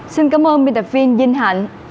xin cảm ơn biên tập viên dinh hạnh